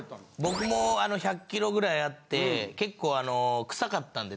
僕も１００ｋｇぐらいあって結構クサかったんで。